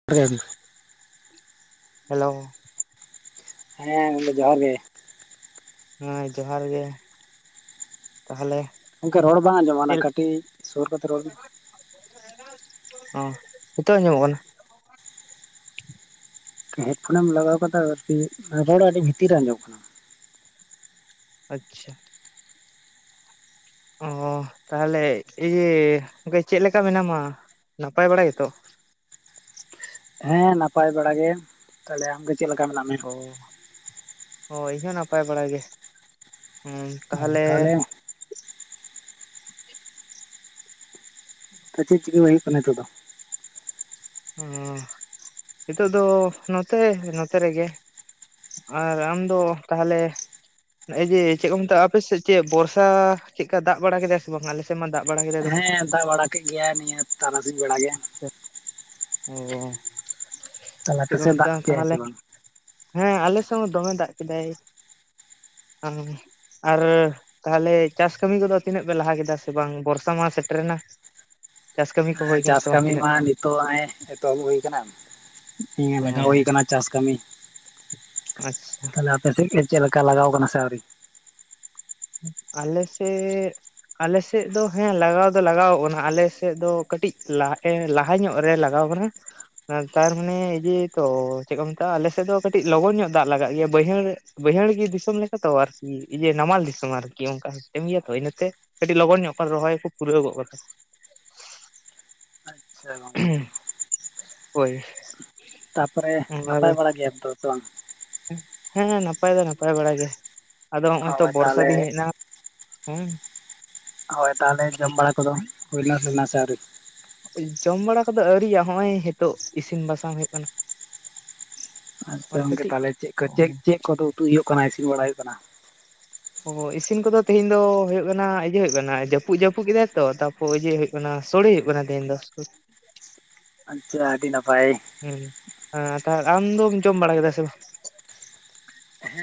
[unintelligible] Hello ᱦᱮᱸ ᱜᱚᱝᱠᱮ ᱡᱚᱦᱟᱨ ᱜᱮ? ᱦᱮᱸ ᱡᱚᱦᱟᱨ ᱜᱮ? ᱛᱟᱦᱚᱞᱮ ᱜᱚᱝᱠᱮ ᱨᱚᱲ ᱵᱟᱝ ᱟᱸᱡᱚᱢᱟ ᱚᱱᱟ ᱠᱟᱹᱴᱤᱡ ᱥᱩᱨ ᱠᱟᱛᱮ ᱨᱚᱲ ᱢᱮ? ᱚᱻ ᱱᱤᱛᱳᱜ ᱟᱡᱚᱢᱚᱜ ᱠᱟᱱᱟ ᱦᱮᱰᱯᱷᱳᱱᱮᱢ ᱞᱟᱜᱟᱣ ᱟᱠᱟᱫᱟ ᱟᱨᱠᱤ ᱨᱚᱲ ᱟᱹᱰᱤ ᱵᱷᱤᱛᱤᱨ ᱨᱮ ᱟᱸᱡᱚᱢᱚᱜ ᱠᱟᱱᱟ᱾ ᱟᱪᱪᱷᱟ᱾ ᱚ ᱛᱟᱦᱚᱞᱮ ᱤᱭᱟᱹᱮ ᱪᱮᱫ ᱞᱮᱠᱟ ᱢᱮᱱᱟᱢᱟ? ᱱᱟᱯᱟᱭ ᱵᱟᱲᱟ ᱜᱮᱛᱚ? ᱦᱮᱸ ᱱᱟᱯᱟᱭ ᱵᱟᱲᱟ ᱜᱮ ᱛᱟᱦᱚᱞᱮ ᱟᱢᱜ ᱪᱮᱫ ᱞᱮᱠᱟ ᱢᱮᱱᱟᱜ ᱢᱮᱭᱟ? ᱚ ᱚ ᱤᱧ ᱦᱚᱸ ᱱᱟᱯᱟᱭ ᱵᱟᱲᱟ ᱜᱮ ᱚ ᱛᱟᱦᱚᱞᱮᱼᱼ ᱛᱟᱦᱚᱞᱮ ᱪᱮᱫ ᱪᱤᱠᱟᱹᱭ ᱦᱩᱜ ᱠᱟᱱᱟ ᱱᱤᱛᱚᱜ ᱫᱚ᱾ ᱦᱚᱸ ᱱᱤᱛᱚᱜ ᱫᱚ ᱱᱚᱛᱮ ᱱᱚᱛᱮ ᱨᱮᱜᱮᱼᱼ ᱟᱨ ᱟᱢᱫᱚ ᱛᱟᱦᱚᱞᱮᱼᱼ ᱡᱮ ᱪᱮᱫ ᱠᱚ ᱢᱮᱛᱟᱜᱼᱟ ᱟᱯᱮᱥᱮᱫ ᱪᱮᱫ ᱵᱚᱨᱥᱟ ᱪᱮᱫᱠᱟ ᱫᱟᱜ ᱵᱟᱲᱟ ᱠᱮᱫᱟᱭ ᱥᱮ ᱵᱟᱝ ᱟᱞᱮᱥᱮᱫ ᱢᱟ ᱫᱟᱜ ᱵᱟᱲᱟ ᱠᱮᱫᱟᱭ ᱫᱚᱢᱮ? ᱦᱮᱸ ᱫᱟᱜ ᱵᱟᱲᱟ ᱠᱮᱫ ᱜᱮᱭᱟᱭ ᱱᱤᱭᱟᱹ ᱛᱟᱨᱟᱥᱤᱧ ᱵᱮᱲᱟ ᱜᱮ᱾ ᱚᱻ ᱛᱟᱦᱞᱮ ᱟᱯᱮ ᱥᱮᱫ ᱫᱟᱜ ᱠᱮᱜᱼᱟᱭ ᱥᱮ ᱵᱟᱝ? ᱦᱮᱸ ᱟᱞᱮ ᱥᱮᱫ ᱦᱚᱸ ᱫᱚᱢᱮ ᱫᱟᱜ ᱠᱮᱫᱟᱭ᱾ ᱟᱨᱼᱼ ᱛᱟᱦᱚᱞᱮ ᱪᱟᱥ ᱠᱟᱹᱢᱤ ᱠᱚ ᱫᱚ ᱛᱤᱱᱟᱹᱜ ᱯᱮ ᱞᱟᱦᱟ ᱠᱮᱫᱟ ᱥᱮ ᱵᱟᱝ? ᱵᱚᱨᱥᱟ ᱢᱟ ᱥᱮᱴᱨ ᱮᱱᱟ? ᱪᱟᱥ ᱠᱟᱹᱢᱤ ᱠᱚ ᱦᱩᱭ ᱟᱠᱟᱱᱟ ᱥᱮ ᱵᱟᱝ ᱛᱤᱱᱟᱹᱜ? ᱛᱚ ᱦᱮᱸᱜᱼᱮ ᱮᱛᱚᱦᱚᱵ ᱦᱩᱭ ᱠᱟᱱᱟ, ᱫᱤᱭᱮ ᱚ ᱞᱟᱜᱟᱣ ᱦᱩᱭ ᱠᱟᱱᱟ ᱪᱟᱥ ᱠᱟᱹᱢᱤ᱾ ᱟᱪᱪᱷᱟ᱾ ᱛᱟᱦᱚᱞᱮ ᱟᱯᱮ ᱥᱮᱫ ᱜᱮ ᱪᱮᱫ ᱞᱮᱠᱟ ᱞᱟᱜᱟᱣ ᱟᱠᱟᱱᱟ ᱥᱮ ᱟᱹᱣᱨᱤ? ᱟᱞᱮ ᱥᱮᱫᱼᱼ ᱟᱞᱮ ᱥᱮᱫ ᱫᱚ ᱦᱮᱸ ᱞᱟᱜᱟᱣ ᱫᱚ ᱞᱟᱜᱟᱣ ᱠᱟᱱᱟ, ᱟᱞᱮ ᱥᱮᱫ ᱫᱚ ᱠᱟᱹᱴᱤᱡ ᱞᱟ ᱮ ᱞᱟᱦᱟᱼᱼ ᱞᱟᱦᱟ ᱧᱚᱜ ᱨᱮ ᱞᱟᱜᱟᱣ ᱟᱠᱟᱱᱟ ᱾ ᱛᱟᱨ ᱢᱟᱱᱮ ᱤᱭᱟᱹ ᱛᱚ ᱪᱮᱫ ᱠᱚ ᱢᱮᱛᱟᱜᱼᱟ ᱟᱞᱮ ᱥᱮᱫ ᱫᱚ ᱠᱟᱹᱴᱤᱡ ᱞᱚᱜᱚᱱ ᱧᱚᱜ ᱫᱟᱜ ᱞᱟᱜᱟᱜ ᱜᱮᱭᱟ ᱵᱟᱹᱭᱦᱟᱹᱲ ᱵᱟᱹᱭᱦᱟᱹᱲ ᱜᱮ ᱫᱤᱥᱚᱢ ᱞᱮᱠᱟ ᱛᱚ ᱟᱨᱠᱤ ᱤᱭᱟᱹ ᱱᱟᱢᱟᱞ ᱫᱤᱥᱚᱢ ᱾ ᱟᱨᱠᱤ ᱚᱝᱠᱟ ᱥᱤᱥᱴᱮ [unintelligible] ᱜᱮᱭᱟ ᱛᱚ ᱤᱱᱟᱹ ᱛᱮ ᱠᱟᱹᱴᱤᱡ ᱞᱚᱜᱚᱱ ᱧᱚᱜ ᱠᱚ ᱨᱚᱦᱚᱭ ᱯᱩᱨᱟᱹᱣ ᱜᱚᱜ ᱠᱟᱫᱟ ᱾ ᱟᱪᱪᱷᱟ ᱾ ᱦᱳᱭ ᱾ ᱛᱟ ᱯᱚᱨᱮ ᱱᱟᱯᱟᱭ ᱵᱟᱲᱟ ᱜᱮᱭᱟᱢ ᱛᱚ ᱥᱮ ᱵᱟᱝ? ᱦᱮᱸ ᱱᱟᱯᱟᱭ ᱫᱚ ᱱᱟᱯᱟᱭ ᱵᱟᱲᱟ ᱜᱮ ᱾ ᱟᱫᱚ ᱦᱚᱜᱼᱚᱭ ᱛᱚ ᱦᱳᱭ ᱵᱚᱨᱥᱟ ᱛᱟᱦᱚᱞᱮ ᱫᱤᱱ ᱦᱮᱡ ᱮᱱᱟ ᱦᱩᱸ ᱾ ᱦᱳᱭ ᱛᱟᱦᱞᱮ ᱡᱚᱢ ᱵᱟᱲᱟ ᱠᱚ ᱫᱚ ᱦᱩᱭᱱᱟ [unintelligible] ᱥᱮ ᱟᱣᱨᱤ? ᱡᱚᱢ ᱵᱟᱲᱟ ᱠᱚ ᱫᱚ ᱟᱹᱣᱨᱤᱭᱟᱜᱼᱟ, ᱦᱚᱸᱜᱼᱚᱭ ᱦᱮᱛᱳᱜ ᱤᱥᱤᱱ ᱵᱟᱥᱟᱝ ᱦᱩᱭᱩᱜ ᱠᱟᱱᱟ ᱾ ᱟᱪᱪᱷᱟ ᱾ᱜᱚᱝᱠᱮ ᱛᱟᱞᱦᱮ ᱪᱮᱫ ᱠᱚ ᱪᱮᱫ ᱪᱮᱫ ᱠᱚ ᱫᱚ ᱩᱛᱩ ᱦᱩᱭᱩᱜ ᱠᱟᱱᱟ ᱤᱥᱤᱱ ᱵᱟᱲᱟ ᱦᱩᱭᱩᱜ ᱠᱟᱱᱟ? ᱚ ᱤᱥᱤᱱ ᱠᱚ ᱫᱚ ᱛᱮᱦᱤᱧ ᱫᱚ ᱦᱩᱭᱩᱜ ᱠᱟᱱᱟ ᱤᱭᱟᱹ ᱦᱩᱭᱩᱜ ᱠᱟᱱᱟ ᱡᱟᱹᱯᱩᱫ ᱡᱟᱹᱯᱩᱫ ᱠᱮᱫᱟᱭ ᱛᱚ ᱛᱟᱯᱚᱨ ᱛᱚ ᱤᱭᱟᱹ ᱦᱩᱭᱩᱜ ᱠᱟᱱᱟ, ᱥᱳᱲᱮ ᱦᱩᱭᱩᱜ ᱠᱟᱱᱟ ᱛᱤᱦᱤᱧ ᱫᱚ ᱾ ᱟᱪᱪᱷᱟ, ᱟᱹᱰᱤ ᱱᱟᱯᱟᱭ ᱾ ᱦᱩᱸ ᱛᱟᱦ ᱟᱢ ᱫᱚᱚᱢ ᱡᱚᱢ ᱵᱟᱲᱟ ᱠᱮᱫᱟ ᱥᱮ ᱵᱟᱝ?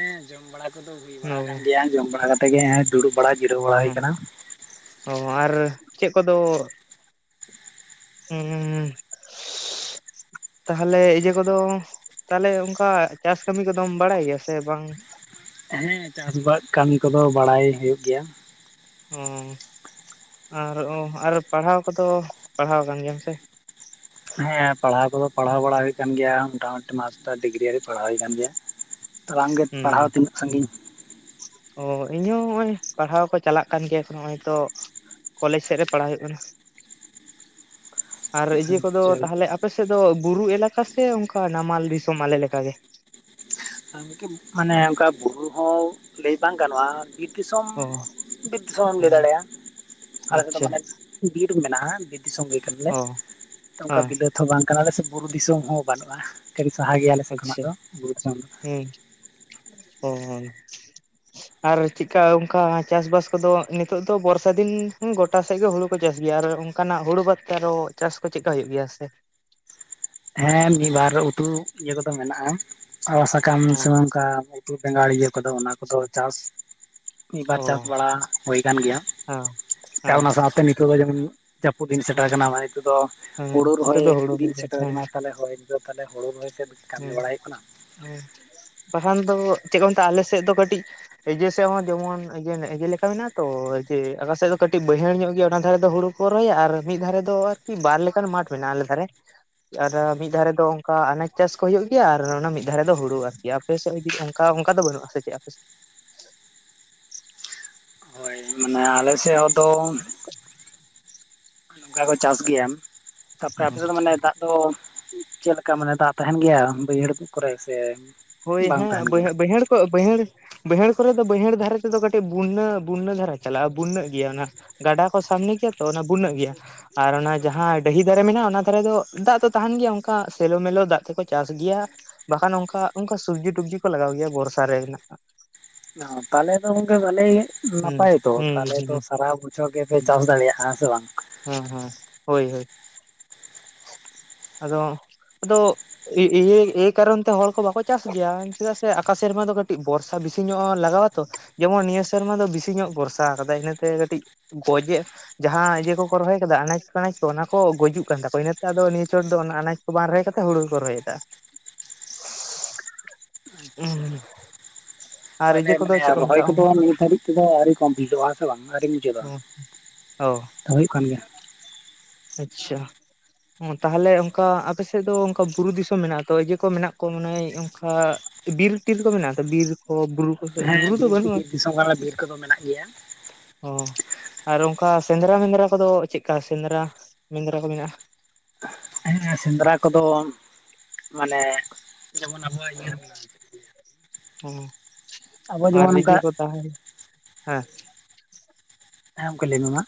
ᱦᱮ, ᱸ ᱡᱚᱢ ᱵᱟᱲᱟ ᱠᱚᱫᱚ ᱦᱩᱭ ᱚ ᱵᱟᱲᱟ ᱟᱠᱟᱱ ᱜᱮᱭᱟ ᱾ ᱡᱚᱢ ᱵᱟᱲᱟ ᱠᱟᱛᱮ ᱜᱮ ᱫᱩᱲᱩᱵ ᱵᱟᱲᱟ ᱡᱤᱨᱟᱹᱣ ᱵᱟᱲᱟ ᱦᱩᱭ ᱠᱟᱱᱟ ᱾ ᱚ ᱟᱨ ᱪᱮᱫ ᱠᱚ ᱫᱚ? ᱩᱸᱻ ᱛᱟᱦᱚᱞᱮ ᱤᱭᱟᱹ ᱠᱚᱫᱚ ᱛᱟᱦᱚᱞᱮ ᱚᱜᱠᱟ ᱪᱟᱥ ᱠᱟᱹᱢᱤ ᱠᱚᱫᱚᱢ ᱵᱟᱲᱟᱭ ᱜᱮᱭᱟ ᱥᱮ ᱵᱟᱝ? ᱦᱮ, ᱸ ᱪᱟᱥ ᱵᱟᱥ ᱠᱟᱹᱢᱤ ᱠᱚᱫᱚ ᱵᱟᱲᱟᱭ ᱦᱩᱭᱩᱜ ᱜᱮᱭᱟ ᱾ ᱚ ᱟᱨ ᱚ ᱟᱨ ᱯᱟᱲᱦᱟᱣ ᱠᱚᱫᱚ ᱯᱟᱲᱦᱟᱣ ᱠᱟᱱ ᱜᱮᱭᱟᱢ ᱥᱮ? ᱦᱮᱸ ᱯᱟᱲᱦᱟᱣ ᱠᱚᱫᱚ ᱯᱟᱲᱦᱟᱣ ᱵᱟᱲᱟ ᱦᱩᱭᱩᱜ ᱠᱟᱱ ᱜᱮᱭᱟ, ᱢᱳᱴᱟᱢᱩᱴᱤ ᱢᱟᱥᱴᱟᱨ ᱰᱤᱜᱽᱨᱤ ᱦᱟᱹᱨᱤᱡ ᱯᱟᱲᱦᱟᱣ ᱦᱩᱭ ᱠᱟᱱ ᱜᱮᱭᱟ ᱾ ᱛᱚ ᱟᱢ ᱜᱮ ᱯᱟᱲᱦᱟᱣ ᱦᱩᱸ ᱛᱤᱱᱟᱹᱜ ᱥᱟᱺᱜᱤᱧ? ᱚ ᱤᱧ ᱦᱚᱸ ᱱᱚᱜᱼᱚᱭ ᱯᱟᱲᱦᱟᱣ ᱠᱚ ᱪᱟᱞᱟᱜ ᱠᱟᱱ ᱜᱮᱭᱟ ᱾ ᱱᱚᱜᱼᱚᱭ ᱛᱚ ᱠᱚᱞᱮᱡᱽ ᱥᱮᱫ ᱨᱮ ᱯᱟᱲᱦᱟᱣ ᱦᱩᱭᱩᱜ ᱠᱟᱱᱟ ᱾ ᱟᱨ ᱤᱭᱟᱹ ᱠᱚ ᱫᱚ ᱛᱟᱦᱚᱞᱮ ᱟᱯᱮ ᱥᱮᱫ ᱫᱚ ᱵᱩᱨᱩ ᱮᱞᱟᱠᱟ ᱥᱮ, ᱚᱝᱠᱟ ᱱᱟᱢᱟᱞ ᱫᱤᱥᱚᱢ ᱟᱞᱮ ᱞᱮᱠᱟ ᱜᱮ? ᱢᱟᱱᱮ ᱚᱝᱠᱟ ᱵᱩᱨᱩ ᱦᱚᱸ, ᱞᱟᱹᱭ ᱵᱟᱝ ᱜᱟᱱᱚᱜᱼᱟ, ᱵᱤᱨ ᱫᱤᱥᱚᱢ ᱚ ᱵᱤᱨ ᱫᱤᱥᱚᱢᱮ ᱮᱢ ᱞᱟᱹᱭ ᱦᱮᱸ ᱫᱟᱲᱮᱭᱟᱜᱼᱟ ᱾ ᱟᱞᱮ ᱥᱮᱫ ᱫᱚ ᱟᱪᱪᱷᱟ ᱢᱟᱱᱮ ᱵᱤᱨ ᱢᱮᱱᱟᱜᱼᱟ ᱵᱤᱨ ᱫᱤᱥᱚᱢ ᱜᱮ ᱠᱟᱱᱟ ᱞᱮ ᱚ ᱚᱝᱠᱟ ᱦᱮᱸ ᱵᱤᱞᱟᱹᱛ ᱛᱚ ᱵᱟᱝ ᱠᱟᱱᱟ ᱞᱮ ᱥᱮ ᱵᱩᱨᱩ ᱫᱤᱥᱚᱢ ᱦᱚᱸ ᱵᱟᱹᱱᱩᱜᱼᱟ, ᱠᱟᱹᱴᱤᱡ ᱥᱟᱦᱟ ᱜᱮᱭᱟ ᱟᱞᱮ ᱥᱮᱫ ᱠᱷᱚᱱᱟᱜ ᱟᱪᱪᱷᱟ ᱫᱚ ᱵᱩᱨᱩ ᱫᱤᱥᱚᱢ ᱫᱚ ᱾ ᱦᱩᱸ, ᱦᱩᱸ ᱦᱩᱸ ᱾ ᱟᱨ ᱪᱮᱫᱠᱟ ᱚᱝᱠᱟ ᱪᱟᱥ ᱵᱟᱥ ᱠᱚ ᱫᱚ ᱱᱤᱛᱚᱜ ᱫᱚ ᱵᱚᱨᱥᱟ ᱫᱤᱱ, ᱜᱚᱴᱟ ᱥᱮᱫ ᱜᱮ ᱦᱩᱲᱩ ᱠᱚ ᱪᱟᱥ ᱜᱮᱭᱟ ᱟᱨ ᱚᱝᱠᱟ ᱱᱟᱜ ᱦᱩᱲᱩ ᱵᱟᱫ ᱛᱮ ᱟᱨᱚ ᱪᱟᱥ ᱠᱚ ᱪᱮᱜᱠᱟ ᱦᱩᱭᱩᱜ ᱜᱮᱭᱟ ᱥᱮ? ᱦᱮᱸ, ᱢᱤᱫ ᱵᱟᱨ ᱩᱛᱩ ᱤᱭᱟᱹ ᱠᱚ ᱫᱚ ᱢᱮᱱᱟᱜᱼᱟ ᱾ ᱟᱲᱟᱜ ᱥᱟᱠᱟᱢ ᱥᱮ ᱚ ᱚᱝᱠᱟ ᱩᱛᱩ ᱵᱮᱸᱜᱟᱲ ᱤᱭᱟᱹ ᱠᱚ ᱫᱚ ᱚᱱᱟ ᱠᱚ ᱫᱚ ᱟᱪᱪᱷᱟ ᱪᱟᱥ ᱢᱤᱫ ᱵᱟᱨ ᱚ ᱪᱟᱥ ᱵᱟᱲᱟ ᱦᱩᱭ ᱟᱠᱟᱱ ᱜᱮᱭᱟ ᱦᱮᱸ ᱾ ᱦᱮᱸ ᱚᱱᱟ ᱥᱟᱶᱛᱮ ᱱᱤᱛᱚᱜ ᱫᱚ ᱡᱮᱢᱚᱱ ᱡᱟᱯᱩᱫ ᱫᱤᱱ ᱥᱮᱴᱮᱨ ᱦᱩᱸ ᱟᱠᱟᱱᱟ ᱱᱤᱛᱚᱜ ᱫᱚ ᱦᱮᱸ ᱦᱩᱲᱩ ᱱᱤᱛᱚᱜ ᱨᱚᱦᱚᱭ ᱫᱚ ᱦᱩᱲᱩ ᱜᱮ ᱫᱤᱱ ᱥᱮᱴ ᱪᱟᱥ ᱦᱮᱸ ᱦᱚᱭ ᱛᱚ ᱛᱟᱦᱞᱮ ᱦᱩᱲᱩ ᱨᱚᱦᱚᱭ ᱥᱮᱫ ᱠᱟᱹᱢᱤ ᱦᱮᱸ ᱵᱟᱲᱟᱭ ᱦᱩᱭᱩᱜ ᱠᱟᱱᱟ ᱾ ᱵᱟᱠᱷᱟᱱ ᱫᱚ ᱪᱮᱫ ᱠᱚ ᱢᱮᱛᱟᱜᱼᱟ ᱟᱞᱮ ᱥᱮᱫ ᱫᱚ ᱠᱟᱹᱴᱤᱡ ᱮᱡᱮ ᱥᱮᱮᱜ ᱦᱚᱸ ᱡᱮᱢᱚᱱ ᱮᱮ ᱡᱮ ᱞᱮᱠᱟ ᱢᱮᱱᱟᱜᱼᱟ ᱛᱚ ᱮᱮ ᱟᱠᱟᱠᱟᱥᱮᱫ ᱫᱚ ᱠᱟᱹᱴᱤᱡ ᱵᱟᱹᱭᱦᱟᱹᱲ ᱧᱚᱜ ᱜᱮᱭᱟ ᱚᱱᱟ ᱫᱷᱟᱨᱮ ᱫᱚ ᱦᱩᱲᱩ ᱠᱚ ᱨᱚᱦᱚᱭᱟ ᱟᱨ ᱢᱤᱫ ᱫᱷᱟᱨᱮ ᱫᱚ ᱟᱨᱠᱤ ᱵᱟᱨ ᱞᱮᱠᱟᱱ ᱢᱟᱴᱷ ᱢᱮᱱᱟᱜᱼᱟ ᱟᱞᱮ ᱫᱷᱟᱨᱮ ᱾ ᱟᱨ ᱢᱤᱫ ᱫᱷᱟᱨᱮ ᱫᱚ ᱚᱱᱠᱟ ᱟᱱᱟᱪ ᱪᱟᱥ ᱠᱚ ᱦᱩᱭᱩᱜ ᱜᱮᱭᱟ, ᱟᱨ ᱚᱱᱟ ᱢᱤᱫ ᱫᱷᱟᱨᱮ ᱫᱚ ᱦᱩᱲᱩ ᱟᱨᱠᱤ ᱟᱯᱮᱥᱮᱫ ᱚᱱᱠᱟ ᱚᱱᱠᱟ ᱫᱚ ᱵᱟᱹᱱᱩᱜ ᱟᱥᱮ ᱪᱮᱫ ᱟᱯᱮᱥ? ᱦᱳᱭ ᱢᱟᱱᱮ ᱟᱞᱮ ᱥᱮᱜ ᱦᱚᱸ ᱫᱚ ᱠᱟ ᱠᱚ ᱪᱟᱥ ᱜᱮᱭᱟᱢ ᱛᱟᱯᱚᱨᱮ ᱟᱯᱮ ᱥᱮᱫ ᱫᱚ ᱢᱟᱱᱮ ᱫᱟᱜ ᱫᱚ ᱪᱮᱫ ᱞᱮᱠᱟ ᱢᱟᱱᱮ ᱫᱟᱜ ᱛᱟᱦᱮᱱ ᱜᱮᱭᱟ ᱵᱟᱹᱭᱦᱟᱹᱲ ᱠᱚ ᱠᱚᱨᱮ ᱥᱮ? ᱦᱳᱭ ᱵᱟᱝ ᱦᱮᱸ ᱛᱟᱦᱮᱱ ᱵᱟᱹᱭ ᱜᱮᱭᱟ? ᱵᱟᱹᱭᱦᱟᱹᱲ ᱠᱚ ᱵᱟᱹᱭᱦᱟᱹᱲ ᱵᱟᱹᱭᱦᱟᱹᱲ ᱠᱚᱨᱮ ᱫᱚ ᱵᱟᱹᱭᱦᱟᱹᱲ ᱫᱷᱟᱨᱮ ᱛᱮᱫᱚ ᱠᱟᱹᱴᱤᱡ ᱵᱩᱱᱱᱟᱹ ᱵᱩᱱᱱᱟᱹ ᱫᱷᱟᱨᱟ ᱪᱟᱞᱟᱜᱼᱟ ᱵᱩᱱᱱᱟᱹ ᱜᱮᱭᱟ ᱚᱱᱟ᱾ ᱜᱟᱰᱟ ᱠᱚ ᱥᱟᱢᱱᱮ ᱜᱮᱭᱟ ᱛᱚ ᱚᱱᱟ ᱵᱩᱱᱱᱟᱹᱜ ᱜᱮᱭᱟ᱾ ᱟᱨ ᱚᱱᱟ ᱡᱟᱦᱟᱸ ᱰᱟᱹᱦᱤ ᱫᱷᱟᱨᱮ ᱢᱮᱱᱟᱜᱼᱟ ᱚᱱᱟ ᱫᱷᱟᱨᱮ ᱫᱚ ᱫᱟᱜ ᱫᱚ ᱛᱟᱦᱮᱱ ᱜᱮᱭᱟ ᱚᱱᱠᱟ ᱥᱮᱞᱚ ᱢᱮᱞᱚ ᱫᱟᱜ ᱛᱮᱠᱚ ᱪᱟᱥ ᱜᱮᱭᱟ᱾ ᱵᱟᱠᱷᱟᱱ ᱚᱝᱠᱟ ᱚᱱᱠᱟ ᱥᱚᱵᱽᱡᱤ ᱴᱚᱵᱽᱡᱤ ᱠᱚ ᱞᱟᱜᱟᱣ ᱜᱮᱭᱟ ᱵᱚᱨᱥᱟ ᱨᱮ ᱦᱮᱜᱱᱟᱜ ᱚᱸ ᱛᱟᱞᱮ ᱫᱚ ᱜᱚᱝᱠᱮ ᱵᱟᱞᱮ ᱜᱮ ᱦᱩᱸ ᱱᱟᱯᱟᱭ ᱛᱚ ᱦᱩᱸ ᱛᱟᱦᱞᱮ ᱛᱚ ᱦᱩᱸ ᱥᱟᱨᱟᱦᱟᱣ ᱵᱚᱪᱷᱟᱹᱣ ᱜᱮᱯᱮ ᱦᱩᱸ ᱪᱟᱥ ᱫᱟᱲᱮᱭᱟᱜᱼᱟ ᱥᱮ ᱵᱟᱝ ᱦᱮᱸ ᱦᱮᱸ ᱦᱳᱭ ᱦᱳᱭ ᱟᱫᱚ ᱟᱫᱚ ᱮ ᱮ ᱮᱭᱟᱹ ᱠᱟᱨᱚᱱ ᱛᱮ ᱦᱚᱲ ᱠᱚ ᱵᱟᱠᱚ ᱪᱟᱥ ᱜᱮᱭᱟ ᱪᱮᱫᱟᱜ ᱥᱮ ᱟᱠᱟ ᱥᱮᱨᱢᱟ ᱫᱚ ᱠᱟᱹᱴᱤᱡ ᱵᱚᱨᱥᱟ ᱵᱮᱥᱤ ᱧᱚᱜ ᱞᱟᱜᱟᱣᱟ ᱛᱚ ᱡᱮᱢᱚᱱ ᱱᱤᱭᱟᱹ ᱥᱮᱨᱢᱟ ᱫᱚ ᱵᱮᱥᱤ ᱧᱚᱜ ᱵᱷᱚᱨᱥᱟ ᱠᱟᱫᱟᱭ ᱤᱱᱟᱹᱛᱮ ᱠᱟᱹᱴᱤᱡ ᱜᱚᱡᱮᱫ ᱡᱟᱦᱟᱸ ᱤᱭᱟᱹ ᱠᱚᱠᱚ ᱨᱚᱦᱚᱭ ᱟᱠᱟᱫᱟ ᱟᱱᱟᱪ ᱯᱱᱟᱪ ᱠᱚ ᱚᱱᱟ ᱠᱚ ᱜᱚᱡᱩᱜ ᱠᱟᱱ ᱛᱟᱠᱚᱣᱟ ᱤᱱᱟᱹᱛᱮ ᱟᱫᱚ ᱱᱤᱭᱟᱹ ᱪᱚᱴ ᱫᱚ ᱚᱱᱟ ᱟᱱᱟᱡᱽ ᱠᱚ ᱵᱟᱝ ᱨᱚᱦᱚᱭ ᱠᱟᱛᱮ ᱦᱩᱲᱩ ᱜᱮ ᱠᱩ ᱨᱚᱦᱚᱭᱠᱟᱜᱼᱟ᱾ ᱟᱪᱪᱷᱟ ᱦᱩᱸ ᱛᱟᱦᱚᱞᱮ ᱢᱟᱱᱮ ᱨᱚᱦᱚᱭ ᱠᱚᱫᱚ ᱱᱤᱛ ᱦᱟᱹᱨᱤᱡ ᱛᱮᱫᱚ ᱟᱣᱨᱤ ᱠᱚᱢᱯᱞᱤᱴᱚᱜᱼᱟᱦᱮ ᱥᱮ ᱵᱟᱝ ᱟᱨᱣᱨᱤ ᱢᱩᱪᱟᱹᱫᱜ-ᱟ ᱚ ᱛ ᱦᱩᱭᱩᱜ ᱠᱟᱱ ᱜᱮᱭᱟ᱾ ᱟᱪᱪᱷᱟ᱾ ᱛᱟᱦᱚᱞᱮ ᱚᱱᱠᱟ ᱟᱯᱮᱥᱮᱫ ᱫᱚ ᱚᱱᱠᱟ ᱵᱩᱨᱩ ᱫᱤᱥᱚᱢ ᱢᱮᱱᱟᱜ ᱛᱚ ᱤᱭᱟ ᱠᱚ ᱢᱮᱱᱟᱜ ᱠᱚᱣᱟ ᱢᱟᱱᱮ ᱚᱱᱠᱟ? ᱵᱤᱨ ᱴᱤᱨ ᱠᱚ ᱢᱮᱱᱟᱜ-ᱟ ᱛᱚ ᱵᱤᱨ ᱠᱚ ᱵᱩᱨᱩ ᱠᱚ ᱥᱮ ᱦᱮᱸ ᱵᱩᱨᱩ ᱫᱚ ᱵᱤᱨ ᱵᱟᱹᱱᱩᱜᱼᱟ ᱛᱤᱜᱤ ᱫᱤᱥᱚᱢ ᱠᱟᱱᱟᱞᱮ ᱵᱤᱨ ᱠᱚᱫᱚ ᱢᱮᱱᱟᱜ ᱜᱮᱭᱟ᱾ ᱚ ᱟᱨ ᱚᱱᱠᱟ ᱥᱮᱸᱫᱽᱨᱟ ᱢᱮᱸᱫᱽᱨᱟ ᱠᱚᱫᱚ ᱪᱮᱜᱠᱟ ᱥᱮᱸᱫᱽᱨᱟ ᱥᱮᱸᱫᱽᱨᱟ ᱢᱮᱱᱟᱜᱼᱟ ᱠᱚ ᱢᱮᱱᱟᱜ-ᱟ᱾ ᱦᱮᱸ ᱮᱸ ᱥᱮᱸᱫᱽᱨᱟ ᱠᱚᱫᱚ ᱢᱟᱱᱮ ᱡᱮᱢᱚᱱ ᱟᱵᱚᱣᱟᱜ ᱤᱭᱟᱹ ᱢᱮᱱᱟᱜᱼᱟ᱾ ᱪᱮᱫ ᱠᱚ ᱞᱟᱹᱭᱟ ᱚ ᱟᱵᱚ ᱟᱨ ᱡᱮᱢᱚᱱ ᱨᱤᱡᱤ ᱚᱱᱠᱟ ᱠᱚ ᱛᱟᱦᱮᱱ ᱦᱮᱸ ᱦᱮᱸ ᱚᱝᱠᱟ ᱞᱟᱹᱭᱢᱮ ᱢᱟ?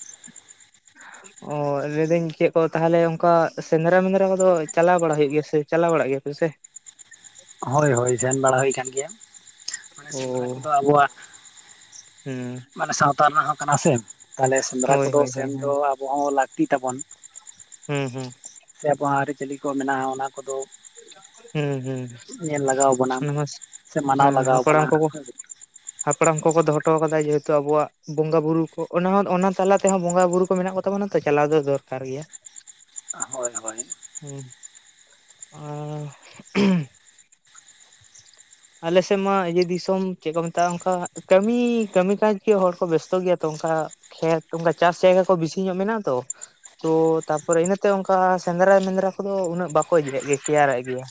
ᱦᱠᱩ [unintelligible] ᱚ ᱞᱟᱹᱭᱫᱟᱹᱧ ᱪᱮᱫ ᱠᱚ ᱛᱟᱦᱚᱞᱮ ᱚᱱᱠᱟ ᱥᱮᱸᱫᱽᱨᱟ ᱢᱮᱸᱫᱽᱨᱟ ᱠᱚᱫᱚ ᱪᱟᱞᱟᱣ ᱵᱟᱲᱟ ᱦᱩᱭᱩᱜ ᱜᱮᱭᱟ ᱥᱮ ᱪᱟᱞᱟᱣ ᱵᱟᱲᱟᱜ ᱜᱮᱭᱟ ᱯᱮ ᱥᱮ ᱦᱳᱭ ᱦᱳᱭ ᱥᱮᱱ ᱵᱟᱲᱟ ᱦᱩᱭ ᱟᱠᱟᱱ ᱜᱮᱭᱟ᱾ ᱢᱟᱱᱮ ᱚ ᱥᱮᱸᱫᱽᱨᱟ ᱠᱚᱫᱚ ᱟᱵᱚᱣᱟᱜ ᱦᱩᱸ ᱢᱟᱱᱮ ᱥᱟᱶᱛᱟ ᱨᱮᱱᱟᱜ ᱦᱚᱸ ᱠᱟᱱᱟ ᱥᱮ ᱛᱟᱦᱚᱞᱮ ᱥᱮᱸᱫᱽᱨᱟ ᱦᱳᱭ ᱠᱚᱫᱚ ᱦᱳᱭ ᱥᱮᱱ ᱦᱳᱭ ᱦᱮᱸ ᱫᱚ ᱟᱵᱚ ᱦᱚᱸ ᱞᱟᱹᱠᱛᱤ ᱛᱟᱵᱚᱱ ᱦᱩᱸ ᱦᱩᱸ ᱥᱮ ᱟᱵᱚᱣᱟᱜ ᱟᱹᱨᱤ ᱪᱟᱹᱞᱤ ᱠᱚ ᱢᱮᱱᱟᱜᱼᱟ ᱚᱱᱟ ᱠᱚᱫᱚ ᱦᱩᱸ ᱦᱮᱸ ᱧᱮᱞ ᱞᱟᱜᱟᱣ ᱵᱚᱱᱟ ᱚᱱᱟᱢᱟ ᱥᱮ ᱥᱟ ᱢᱟᱱᱟᱣ ᱦᱮᱸ ᱞᱟᱜᱟᱣ ᱦᱟᱯᱲᱟᱢ ᱵᱚᱱᱟ ᱠᱚᱠᱚ ᱦᱟᱯᱲᱟᱢ ᱠᱚᱠᱚ ᱫᱚᱦᱚᱴᱚᱣ ᱠᱟᱫᱟ ᱡᱮᱦᱮᱛᱩ ᱟᱵᱚᱭᱟᱜ ᱵᱚᱸᱜᱟ ᱵᱩᱨᱩ ᱠᱚ ᱚᱱᱟ ᱚᱱᱟ ᱛᱟᱞᱟ ᱛᱮᱦᱚᱸ ᱵᱚᱸᱜᱟ ᱵᱩᱨᱩ ᱠᱚ ᱢᱮᱱᱟᱜ ᱠᱚᱛᱟ ᱵᱚᱱᱟ ᱛᱚ ᱪᱟᱞᱟᱣ ᱫᱚ ᱫᱚᱨᱠᱟᱨ ᱜᱮᱭᱟ᱾ ᱦᱳᱭ ᱦᱳᱭ ᱦᱩᱸ ᱟᱨ [unintelligible] ᱟᱞᱮ ᱥᱮᱫ ᱢᱟ ᱤᱭᱟᱹ ᱫᱤᱥᱚᱢ ᱪᱮᱜ ᱠᱚ ᱢᱮᱛᱟᱜᱼᱟ ᱚᱱᱠᱟ ᱠᱟᱹᱢᱤ ᱠᱟᱹᱢᱤ ᱠᱟᱡᱽ ᱜᱮ ᱦᱚᱲ ᱠᱚ ᱵᱮᱥᱛᱚ ᱜᱮᱭᱟ ᱛᱚ ᱚᱱᱠᱟ᱾ ᱠᱷᱮᱛ ᱚᱱᱠᱟ ᱪᱟᱥ ᱡᱟᱭᱜᱟ ᱠᱚ ᱵᱮᱥᱤ ᱧᱚᱜ ᱢᱮᱱᱟᱜᱼᱟ ᱛᱚ ᱛᱚ ᱛᱟᱯᱚᱨᱮ ᱤᱱᱟᱹᱛᱮ ᱚᱱᱠᱟ ᱥᱮᱸᱫᱽᱨᱟ ᱢᱮᱸᱫᱽᱨᱟ ᱠᱚᱫᱚ ᱩᱱᱟᱹᱜ ᱵᱟᱠᱚ ᱤᱭᱟᱹᱜ ᱜᱮᱭᱟ ᱛᱮᱭᱟᱨᱟᱜ ᱜᱮᱭᱟ᱾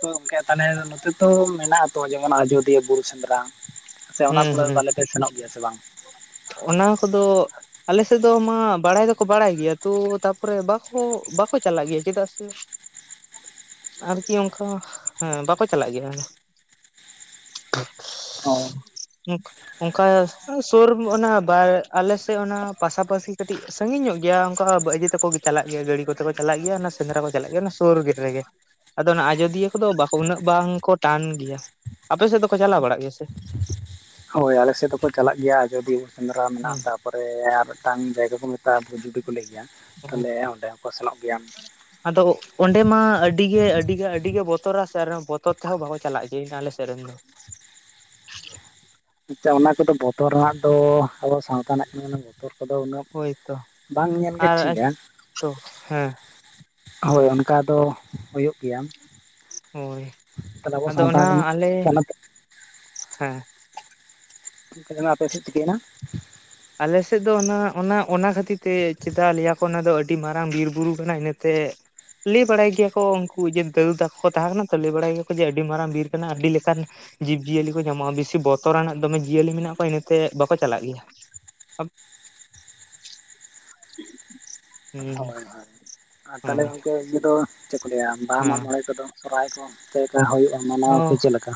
ᱛᱚ ᱜᱚᱝᱠᱮ ᱛᱟᱦᱮ ᱱᱚᱛᱮ ᱛᱚ ᱢᱮᱱᱟᱜ ᱛᱚ ᱡᱮᱢᱚᱱ ᱟᱡᱚᱫᱤᱭᱟᱹ ᱵᱩᱨᱩ ᱥᱮᱸᱫᱽᱨᱟ ᱯᱟᱥᱮ ᱚᱱᱟ ᱦᱩᱸ ᱠᱚᱨᱮ ᱦᱩᱸ ᱛᱟᱞᱮ ᱯᱮ ᱥᱮᱱᱚᱜ ᱜᱮᱭᱟ ᱥᱮ ᱵᱟᱝ ᱚᱱᱟ ᱠᱚᱫᱚ ᱟᱞᱮᱥᱮᱫ ᱫᱚ ᱢᱟ ᱵᱟᱲᱟᱭ ᱫᱚᱠᱚ ᱵᱟᱲᱟᱭ ᱜᱮᱭᱟ ᱛᱚ ᱛᱟᱯᱚᱨᱮ ᱵᱟᱠᱚ, ᱵᱟᱠᱚ ᱪᱟᱞᱟᱜ ᱜᱮᱭᱟ ᱪᱮᱫᱟᱜ ᱥᱮ ᱟᱨᱠᱤ ᱚᱱᱠᱟ ᱦᱮᱸ ᱵᱟᱠᱚ ᱪᱟᱞᱟᱜ ᱜᱮᱭᱟ ᱾ ᱚ᱾ ᱚᱱᱠᱟ ᱥᱳᱨ ᱚᱱᱟ ᱵᱟᱨ ᱟᱞᱮᱥᱮᱫ ᱚᱱᱟ ᱯᱟᱥᱟᱯᱟᱥᱤ ᱠᱟᱹᱴᱤᱡ ᱥᱟᱺᱜᱤᱧ ᱧᱚᱜ ᱜᱮᱭᱟ ᱚᱱᱠᱟ ᱤᱭᱟᱹ ᱛᱟᱠᱚ ᱜᱤ ᱪᱟᱞᱟᱜ ᱜᱮᱭᱟ ᱜᱟᱹᱰᱤ ᱠᱚᱛᱮ ᱠᱚ ᱪᱟᱞᱟᱜ ᱜᱮᱭᱟ ᱥᱮᱸᱫᱽᱨᱟ ᱠᱚ ᱪᱟᱞᱟᱜ ᱜᱮᱭᱟ ᱚᱱᱟ ᱥᱳᱨ ᱨᱮᱜᱮ ᱾ ᱟᱫᱚ ᱚᱱᱟ ᱟᱡᱚᱫᱤᱭᱟᱹ ᱠᱚᱫᱚ ᱩᱱᱟᱹᱜ ᱵᱟᱝᱠᱚ ᱴᱟᱱ ᱜᱮᱭᱟ ᱟᱯᱮ ᱥᱮᱫ ᱫᱚᱠᱚ ᱪᱟᱞᱟᱣ ᱵᱟᱲᱟᱜ ᱜᱮᱭᱟ ᱥᱮ? ᱦᱳᱭ ᱟᱞᱮᱥᱮᱫ ᱫᱚᱠᱚ ᱪᱟᱞᱟᱜ ᱜᱮᱭᱟ ᱟᱡᱚᱫᱤᱭᱟᱹ ᱥᱮᱸᱫᱽᱨᱟ ᱦᱩᱸ ᱢᱮᱱᱟᱜᱼᱟ ᱛᱟᱯᱚᱨᱮ ᱟᱨ ᱢᱤᱫᱴᱟᱝ ᱡᱟᱭᱜᱟ ᱠᱚ ᱛᱟᱯᱚᱨ ᱡᱩᱫᱤ ᱠᱚ ᱞᱟᱹᱭ ᱜᱮᱭᱟ ᱛᱟᱦᱞᱮ ᱚᱸᱰᱮ ᱦᱚᱸᱠᱚ ᱥᱮᱱᱚᱜ ᱜᱮᱭᱟ ᱾ ᱟᱫᱚ ᱚᱸᱰᱮ ᱢᱟ ᱟᱹᱰᱤ ᱜᱮ ᱟᱹᱰᱤᱜᱮ ᱟᱰᱤᱜᱮ ᱵᱚᱛᱚᱨᱟ ᱥᱮ ᱵᱚᱛᱚᱨ ᱛᱮᱦᱚᱸ ᱵᱟᱠᱚ ᱪᱟᱞᱟᱜ ᱜᱮᱭᱟ ᱟᱞᱮ ᱥᱮᱫ ᱨᱮᱱ ᱫᱚ ᱾ ᱟᱪᱪᱷᱟ ᱚᱱᱟ ᱠᱚᱫᱚ ᱵᱚᱛᱚᱨ ᱨᱮᱱᱟᱜ ᱫᱚ ᱟᱵᱚ ᱥᱟᱶᱛᱟ ᱨᱮᱱᱟᱜ ᱠᱟᱱᱟ ᱵᱚᱛᱚᱨ ᱠᱚᱫᱚ ᱩᱱᱟᱹᱜ ᱦᱳᱭᱛᱚ ᱵᱟᱝ ᱧᱮᱞ ᱜᱮ ᱟᱨ ᱴᱷᱤᱠᱟ ᱾ ᱛᱚ ᱦᱮᱸ᱾ ᱦᱳᱭ ᱚᱱᱠᱟ ᱫᱚ ᱦᱩᱭᱩᱜ ᱜᱮᱭᱟᱢ ᱾ ᱦᱳᱭ ᱟᱫᱚ ᱥᱟᱶᱛᱟ ᱚᱱᱟ ᱟᱞᱮ ᱯᱚᱱᱚᱛ ᱦᱮᱸ ᱾ ᱪᱮᱫ ᱪᱤᱠᱟᱹᱭᱱᱟ ᱟᱯᱮ ᱥᱮᱫ ᱪᱷᱤᱠᱟᱹᱭᱮᱱᱟ? ᱟᱞᱮ ᱥᱮᱫ ᱫᱚ ᱚᱱᱟ-ᱚᱱᱟ, ᱚᱱᱟ ᱠᱷᱟᱹᱛᱤᱨ ᱛᱮ ᱪᱮᱫᱟᱜ ᱞᱮᱭᱟ ᱠᱚ ᱚᱱᱟ ᱫᱚ ᱟᱹᱰᱤ ᱢᱟᱨᱟᱝ ᱵᱤᱨᱵᱩᱨᱩ ᱠᱟᱱᱟ ᱤᱱᱟᱹᱛᱮ ᱞᱟᱹᱭ ᱵᱟᱲᱟᱭ ᱜᱮᱭᱟ ᱠᱚ ᱩᱱᱠᱩ ᱡᱮ ᱫᱟᱹᱫᱩ ᱛᱟᱠᱚ ᱠᱚ ᱛᱟᱦᱮᱸ ᱠᱟᱱᱟ ᱛᱚ ᱞᱟᱹᱭ ᱵᱟᱲᱟᱭ ᱜᱮᱭᱟᱠᱚ ᱡᱮ ᱟᱹᱰᱤ ᱢᱟᱨᱟᱝ ᱵᱤᱨ ᱠᱟᱱᱟ ᱟᱹᱰᱤ ᱞᱮᱠᱟᱱ ᱡᱤᱵᱽ-ᱡᱤᱭᱟᱹᱞᱤ ᱠᱚ ᱧᱟᱢᱚᱜ-ᱟ ᱵᱮᱥᱤ ᱵᱚᱛᱚᱨᱟᱱᱟᱜ ᱫᱚᱢᱮ ᱡᱤᱭᱟᱹᱞᱤ ᱢᱮᱱᱟᱜ ᱠᱚᱣᱟ ᱤᱱᱟᱹᱛᱮ ᱵᱟᱠᱚ ᱪᱟᱞᱟᱜ ᱜᱮᱭᱟ ᱾ ᱟᱫ ᱦᱩᱸ᱾ ᱦᱳᱭ ᱦᱳᱭ ᱟᱨ ᱛᱟᱦᱚᱞᱮ ᱦᱮᱸ ᱜᱚᱝᱠᱮ ᱤᱭᱟᱹ ᱫᱚ ᱪᱮᱫ ᱠᱚ ᱞᱟᱹᱭᱟ ᱵᱟᱦᱟ ᱦᱮᱸ ᱢᱟᱜ-ᱢᱚᱬᱮ ᱠᱚᱫᱚ ᱥᱚᱦᱨᱟᱭ ᱠᱚ ᱪᱮᱫᱠᱟ ᱦᱩᱭᱩᱜᱼᱟ ᱢᱟᱱᱟᱣᱟᱯᱮ ᱪᱮᱫ ᱞᱮᱠᱟ?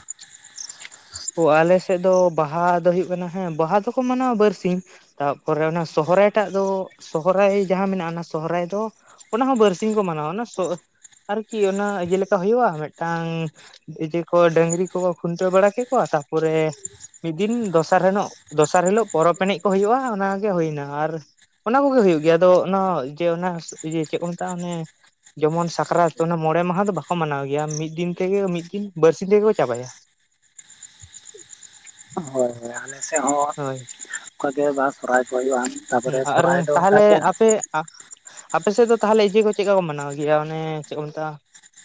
ᱚ ᱟᱞᱮᱥᱮᱫ ᱫᱚ ᱵᱟᱦᱟ ᱫᱚ ᱦᱩᱭᱩᱜ ᱠᱟᱱᱟ ᱦᱮᱸ ᱵᱟᱦᱟ ᱫᱚᱠᱚ ᱢᱟᱱᱟᱣᱟ ᱵᱟᱨᱥᱤᱧ ᱾ ᱛᱟᱯᱚᱨᱮ ᱚᱱᱟ ᱥᱚᱦᱚᱨᱟᱭ ᱴᱟᱜ ᱫᱚ ᱥᱚᱦᱚᱨᱟᱭ ᱡᱟᱦᱟᱸ ᱢᱮᱱᱟᱜᱼᱟ ᱚᱱᱟ ᱥᱚᱦᱨᱟᱭ ᱫᱚ ᱚᱱᱟ ᱦᱚᱸ ᱵᱟᱨᱥᱤᱧ ᱠᱚ ᱢᱟᱱᱟᱣᱟ ᱚᱱᱟ ᱥᱚᱦ ᱟᱨᱠᱤ ᱚᱱᱟ ᱤᱭᱟᱹ ᱞᱮᱠᱟ ᱦᱩᱭᱩᱜᱼᱟ ᱢᱤᱫᱴᱟᱝ ᱤᱭᱟᱹ ᱠᱚ ᱰᱟᱹᱝᱨᱤ ᱠᱚᱠᱚ ᱠᱷᱩᱱᱴᱟᱹᱣ ᱵᱟᱲᱟ ᱠᱮᱫ ᱠᱚᱣᱟ ᱛᱟᱯᱚᱨᱮ ᱢᱤᱫ ᱫᱤᱱ ᱫᱚᱥᱟᱨ ᱦᱤᱞᱳᱜ ᱫᱚᱥᱟᱨ ᱦᱤᱞᱳᱜ ᱯᱚᱨᱚᱵᱽ ᱮᱱᱮᱡ ᱠᱚ ᱦᱩᱭᱩᱜ-ᱟ ᱚᱱᱟᱜᱮ ᱦᱩᱭᱱᱟ ᱟᱨ ᱚᱱᱟ ᱠᱚᱜᱮ ᱦᱩᱭᱩᱜ ᱜᱮᱭᱟ ᱟᱫᱚ ᱚᱱᱟ ᱡᱮ ᱚᱱᱟ ᱤᱭᱟᱹ ᱪᱮᱫ ᱠᱚ ᱢᱮᱛᱟᱜᱼᱟ ᱚᱱᱮ ᱡᱮᱢᱚᱱ ᱥᱟᱠᱨᱟᱛ ᱚᱱᱟ ᱢᱚᱬᱮ ᱢᱟᱦᱟ ᱫᱚ ᱵᱟᱠᱚ ᱢᱟᱱᱟᱣ ᱜᱮᱭᱟ ᱢᱤᱫ ᱫᱤᱱ ᱛᱮᱜᱮ ᱢᱤᱫ ᱫᱤᱱ ᱵᱟᱨᱥᱤᱧ ᱛᱮᱜᱮ ᱠᱚ ᱪᱟᱵᱟᱭᱟ ᱾ ᱦᱳᱭ ᱦᱳᱭ ᱟᱞᱮ ᱥᱮᱫ ᱦᱚᱸ ᱦᱳᱭ ᱚᱱᱠᱟᱜᱮ ᱵᱟᱦᱟ ᱥᱚᱦᱨᱟᱭ ᱠᱚ ᱦᱩᱭᱩᱜᱼᱟ ᱦᱩᱸ ᱛᱟᱯᱚᱨᱮ ᱟᱨ ᱥᱚᱨᱦᱟᱭ ᱫᱚ ᱚᱱᱠᱟ ᱛᱟᱦᱚᱞᱮ ᱠᱚ ᱟᱯᱮ ᱟᱯᱮ ᱥᱮᱫ ᱫᱚ ᱛᱟᱦᱚᱞᱮ ᱤᱭᱟᱹ ᱠᱚ ᱪᱮᱫ ᱞᱮᱠᱟ ᱠᱚ ᱢᱟᱱᱟᱣ ᱜᱮᱭᱟ ᱚᱱᱮ ᱪᱮᱫ ᱠᱚ ᱢᱮᱛᱟᱜ-ᱟ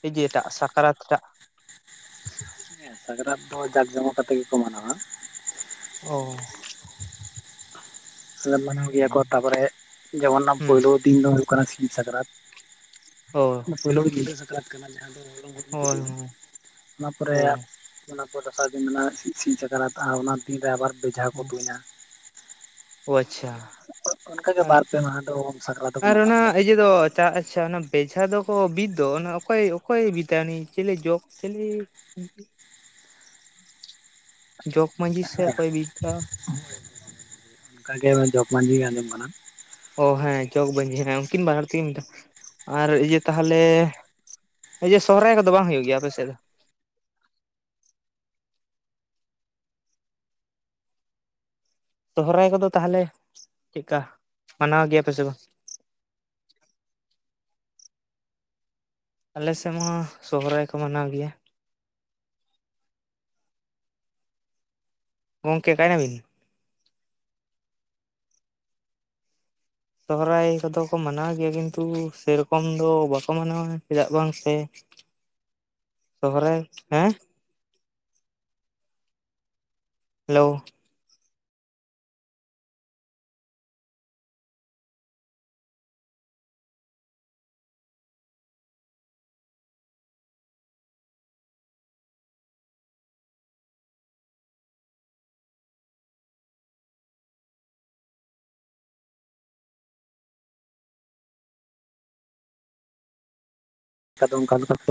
ᱤᱭᱟᱹ ᱴᱟᱜ ᱥᱟᱠᱨᱟᱛ ᱴᱟᱜ? ᱥᱟᱠᱨᱟᱛ ᱫᱚ ᱡᱟᱠ ᱡᱚᱢᱚᱠ ᱠᱟᱛᱮᱜ ᱜᱮᱠᱚ ᱢᱟᱱᱟᱣᱟ ᱾ ᱚ᱾ ᱢᱟᱱᱟᱣ ᱜᱮᱭᱟ ᱠᱚ ᱛᱟᱨᱯᱚᱨᱮ ᱡᱮᱢᱚᱱ ᱦᱩᱸ ᱯᱳᱭᱞᱳ ᱫᱤᱱ ᱫᱚ ᱦᱩᱭᱩᱜ ᱠᱟᱱᱟ ᱥᱤᱧ ᱥᱟᱠᱨᱟᱛ ᱚ ᱾ ᱚᱱᱟ ᱯᱳᱭᱞᱳ ᱧᱤᱫᱟᱹ ᱥᱟᱠᱨᱟᱛ ᱠᱟᱱᱟ ᱡᱟᱦᱟᱸ ᱫᱚ ᱦᱚᱞᱚᱝ ᱦᱩᱲᱩᱝ ᱠᱚ ᱦᱳᱭ ᱞᱟᱹᱭᱟ᱾ ᱚᱱᱟ ᱯᱚᱨᱮ ᱚ ᱚᱱᱟ ᱯᱚᱨ ᱫᱚᱥᱟᱨ ᱫᱤᱱ ᱠᱟᱱᱟ ᱥᱤᱧ ᱥᱤᱧ ᱥᱟᱠᱨᱟᱛ ᱟᱨ ᱚᱱᱟ ᱫᱤᱱ ᱨᱮ ᱟᱵᱟᱨ ᱵᱷᱮᱡᱷᱟ ᱠᱚ ᱛᱩᱧᱟ᱾ ᱚ ᱟᱪᱷᱟ ᱚᱱᱠᱟᱜᱮ ᱟᱨ, ᱵᱟᱨ ᱯᱮ ᱢᱟᱦᱟ ᱫᱚ ᱥᱟᱠᱨᱟᱛ ᱫᱚᱠᱚ ᱟᱨ ᱢᱟᱱᱟᱣ ᱚᱱᱟ ᱜᱮᱭᱟ ᱤᱭᱟᱹ ᱫᱚ ᱪᱷᱟ ᱟᱪᱷᱟ ᱚᱱᱟ ᱵᱮᱡᱷᱟ ᱫᱚᱠᱚ ᱵᱤᱫᱽ ᱚᱱᱟ ᱚᱠᱚᱭ ᱚᱠᱚᱭᱮ ᱵᱤᱫᱟ ᱩᱱᱤ ᱪᱤᱞᱮ ᱡᱚᱜᱽ ᱪᱤᱞᱤ [unintelligible] ᱡᱚᱜᱽ ᱢᱟᱺᱡᱷᱤ ᱥᱮ ᱦᱮᱸ ᱚᱠᱚᱭ ᱵᱤᱫᱽᱷᱟ? ᱚᱱᱠᱟ ᱜᱮ ᱡᱚᱜᱽ ᱢᱟᱺᱡᱷᱤ ᱜᱮ ᱟᱸᱡᱚᱢ ᱠᱟᱱᱟ ᱾ ᱚ ᱦᱮᱸ ᱡᱚᱜᱽ ᱵᱟᱺᱡᱤ ᱦᱮᱸ ᱩᱱᱠᱤᱱ ᱵᱟᱱᱟᱨ ᱛᱮᱜᱮ ᱢᱮᱛᱟᱜ ᱟᱨ ᱤᱭᱟᱹ ᱛᱟᱦᱚᱞᱮ ᱤᱭᱟᱹ ᱥᱚᱦᱚᱨᱟᱭ ᱠᱚᱫᱚ ᱵᱟᱝ ᱦᱩᱭᱩᱜ ᱜᱮᱭᱟ ᱟᱯᱮ ᱥᱮᱡ ᱫᱚ? ᱥᱚᱦᱚᱨᱟᱭ ᱠᱚᱫᱚ ᱛᱟᱦᱚᱞᱮ ᱪᱮᱫᱠᱟ ᱢᱟᱱᱟᱣ ᱜᱮᱭᱟᱯᱮ ᱥᱮ ᱵᱟᱝ? ᱟᱞᱮ ᱥᱮᱫ ᱢᱟ ᱥᱚᱦᱚᱨᱟᱭ ᱠᱚ ᱢᱟᱱᱟᱣ ᱜᱮᱭᱟ ᱾ ᱜᱚᱝᱠᱮ ᱚᱠᱟᱭᱱᱟ ᱵᱤᱱ? ᱥᱚᱦᱨᱟᱭ ᱠᱚᱫᱚ ᱠᱚ ᱢᱟᱱᱟᱣ ᱜᱮᱭᱟ ᱠᱤᱱᱛᱩ ᱥᱮᱨᱚᱠᱚᱢ ᱫᱚ ᱵᱟᱠᱚ ᱢᱟᱱᱟᱣᱟ᱾ ᱪᱮᱫᱟᱜ ᱵᱟᱝ ᱥᱮ ᱥᱚᱦᱨᱟᱭ, ᱦᱮᱸ? ᱦᱮᱞᱳ ᱟᱫᱚ ᱚᱱᱠᱟ ᱞᱮᱠᱟᱛᱮ